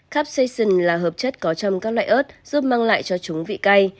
capsaicin là hợp chất có trong các loại ớt giúp mang lại cho chúng vị cay